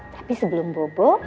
tapi sebelum bobo